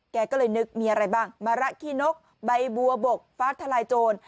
แกก็เลยนึกมีอะไรบ้างมะระขี้นกใบบัวบกฟ้าทลายโจร